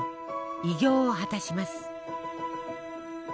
偉業を果たします。